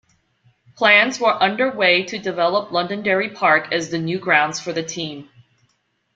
Plans were under-way to develop Londonderry Park as the new grounds for the team.